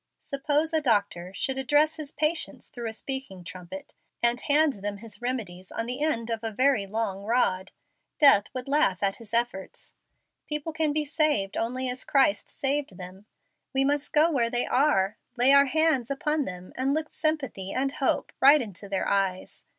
Suppose a doctor should address his patients through a speaking trumpet and hand them his remedies on the end of a very long rod. Death would laugh at his efforts. People can be saved only as Christ saved them. We must go where they are, lay our hands upon them, and look sympathy and hope right into their eyes.